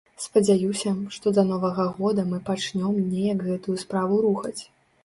Спадзяюся, што да новага года мы пачнём неяк гэтую справу рухаць.